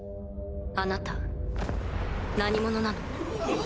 あなた何者なの？